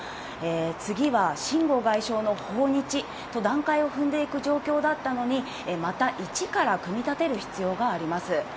次は秦剛外相の訪日と段階を踏んでいく状況だったのに、また一から組み立てる必要があります。